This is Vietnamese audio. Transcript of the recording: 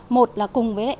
một là cùng với lệnh